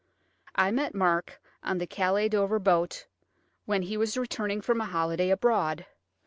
I met Mark on the Calais Dover boat, when he was returning from a holiday abroad.